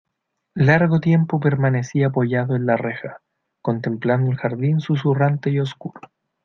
largo tiempo permanecí apoyado en la reja, contemplando el jardín susurrante y oscuro.